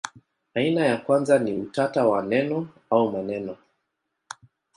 Aina ya kwanza ni utata wa neno au maneno.